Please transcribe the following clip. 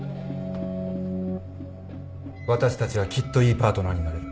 私たちはきっといいパートナーになれる。